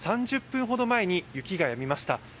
３０分ほど前に雪がやみました。